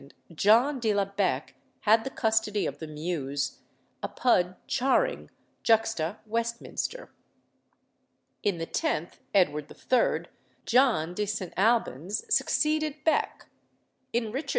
John de la Becke had the custody of the Mews "apud Charing, juxta Westminster." In the 10th Edward III. John de St. Albans succeeded Becke. In Richard II.